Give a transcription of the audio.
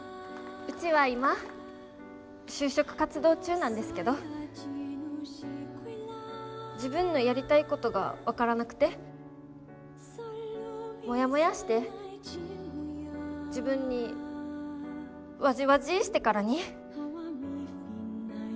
うちは今就職活動中なんですけど自分のやりたいことが分からなくてもやもやーして自分にわじわじーしてからに。